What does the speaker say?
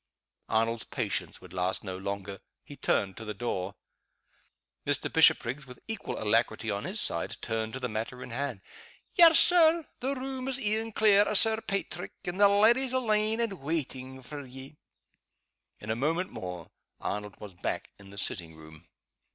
Arnold's patience would last no longer he turned to the door. Mr. Bishopriggs, with equal alacrity on his side, turned to the matter in hand. "Yes, Sir! The room is e'en clear o' Sir Paitrick, and the leddy's alane, and waitin' for ye." In a moment more Arnold was back in the sitting room.